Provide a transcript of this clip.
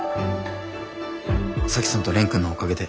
沙樹さんと蓮くんのおかげで。